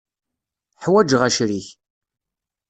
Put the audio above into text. Ḥwaǧeɣ acrik.